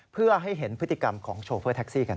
เพื่อให้เห็นพฤติกรรมของโชเฟอร์แท็กซี่กัน